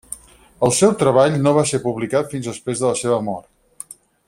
El seu treball no va ser publicat fins després de la seva mort.